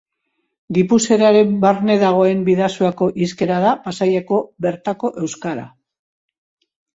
Gipuzkeraren barne dagoen Bidasoako hizkera da Pasaiako bertako euskara.